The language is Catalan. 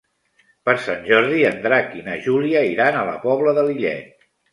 Per Sant Jordi en Drac i na Júlia iran a la Pobla de Lillet.